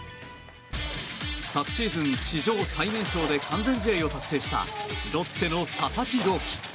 昨シーズン、史上最年少で完全試合を達成したロッテの佐々木朗希。